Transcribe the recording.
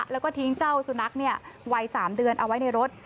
แล้วก็ทิ้งเจ้าสุนัขวัย๓เดือนเอาไว้ในรถ